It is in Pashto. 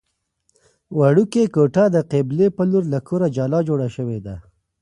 وړوکې کوټه د قبلې په لور له کوره جلا جوړه شوې ده.